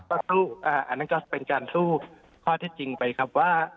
อันนั้นก็เป็นการสู้ข้อที่จริงไปครับว่า